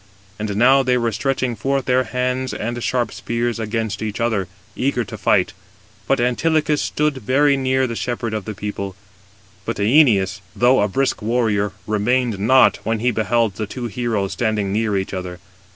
And now they were stretching forth their hands and sharp spears against each other, eager to fight; but Antilochus stood very near the shepherd 221 of the people. But Æneas, though a brisk warrior, remained not, when he beheld the two heroes standing near each other.